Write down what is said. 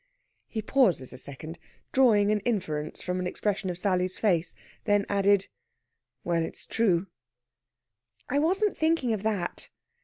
He paused a second, drawing an inference from an expression of Sally's face, then added: "Well, it's true...." "I wasn't thinking of that."